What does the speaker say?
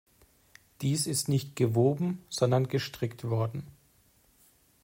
Dies ist nicht gewoben, sondern gestrickt worden.